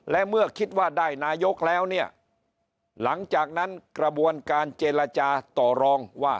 และเมื่อคิดว่าได้นายกแล้วเนี่ยหลังจากนั้นกระบวนการเจรจาต่อรองว่า